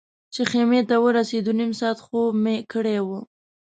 چې خیمې ته ورسېدو نیم ساعت خوب مې کړی و.